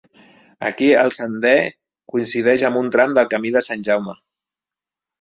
Ací el sender coincideix amb un tram del Camí de Sant Jaume.